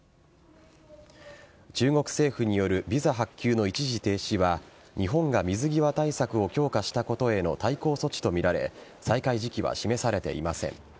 中国政府によるビザ発給の一時停止は日本が水際対策を強化したことへの対抗措置とみられ再開時期は示されていません。